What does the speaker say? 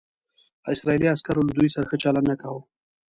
اسرائیلي عسکرو له دوی سره ښه چلند نه کاوه.